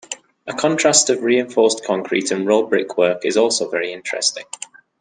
A contrast of reinforced concrete and raw brickwork is also very interesting.